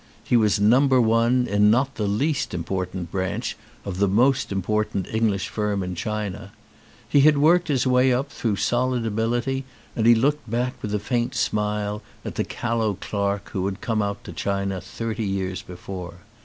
He was number one in not the least important branch of the most important English firm in China. He had worked his way up through solid ability and he looked back with a faint smile at the cal low clerk who had come out to China thirty years before.